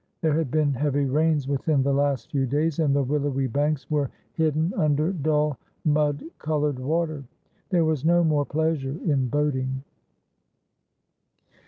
There had been heavy rains within the last few days, and the willowy banks were hidden under dull mud coloured water. There was no more pleasure in boating.